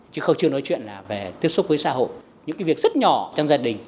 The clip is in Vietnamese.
chứ không chưa nói chuyện là về tiếp xúc với xã hội những cái việc rất nhỏ trong gia đình